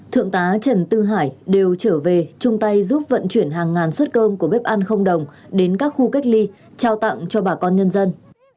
thượng tá trần tư hải đều trở về chung tay giúp vận chuyển hàng ngàn suất cơm của bếp ăn không đồng đến các khu cách ly trao tặng cho bà con nhân dân